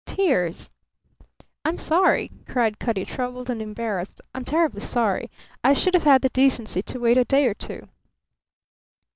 Tears! "I'm sorry!" cried Cutty, troubled and embarrassed. "I'm terribly sorry! I should have had the decency to wait a day or two."